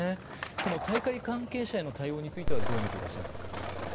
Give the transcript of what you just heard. この大会関係者への対応についてどう見ていらっしゃいますか？